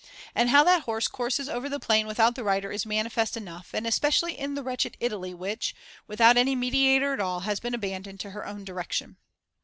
And how that horse courses over the plain without the rider is manifest enough, and especially in the wretched Italy which, with out any mediator at all, has been abandoned to her own direction.